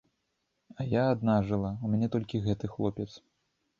А я адна жыла, у мяне толькі гэты хлопец.